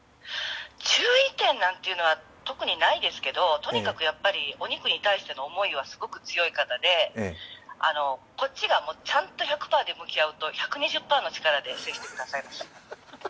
注意点なんていうのは特にないですけどとにかくお肉に対しての思いはすごく強い方でこっちがちゃんと１００％で向き合うと１２０％で返してくれる。